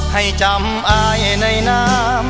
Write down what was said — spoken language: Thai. ให้จำอายในน้ำ